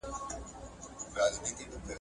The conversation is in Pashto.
د حيض او نفاس پر وخت له کوروالي څخه ځان ساتل.